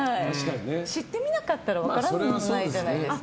知ってみなかったら分からないじゃないですか。